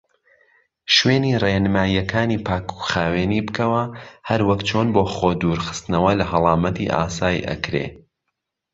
شوێنی ڕێنمایەکانی پاکوخاوینی بکەوە هەروەک چۆن بۆ خۆ دورخستنەوە لە هەڵامەتی ئاسای ئەکرێ.